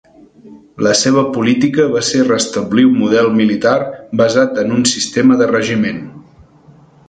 La seva política va ser restablir un model militar basat en un sistema de regiment.